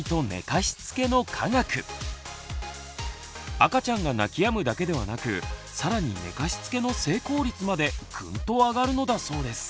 赤ちゃんが泣きやむだけではなく更に寝かしつけの成功率までぐんと上がるのだそうです。